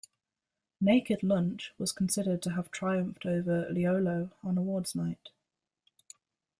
"Naked Lunch" was considered to have triumphed over "Leolo" on awards night.